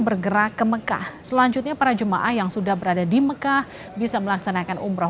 bergerak ke mekah selanjutnya para jemaah yang sudah berada di mekah bisa melaksanakan umroh